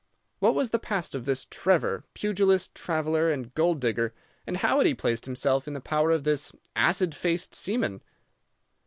What was the past of this Trevor, pugilist, traveler, and gold digger, and how had he placed himself in the power of this acid faced seaman?